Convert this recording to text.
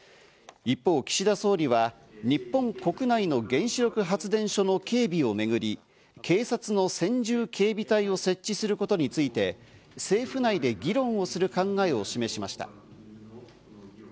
一方、岸田総理は日本国内の原子力発電所の警備をめぐり警察の専従警備隊を設置することについて政府内で議論をする考えを示しました。